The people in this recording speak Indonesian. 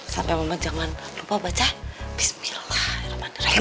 sampai mama jangan lupa baca bismillah